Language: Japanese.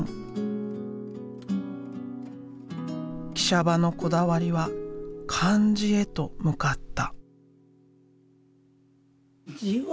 喜舎場のこだわりは漢字へと向かった。